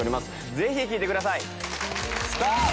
ぜひ聴いてくださいストップ！